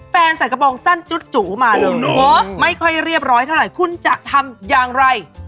ใส่กระโปรงสั้นจุ๋มาเลยไม่ค่อยเรียบร้อยเท่าไหร่คุณจะทำอย่างไร